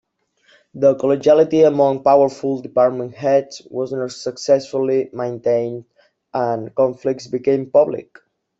The collegiality among powerful department heads was not successfully maintained and conflicts became public.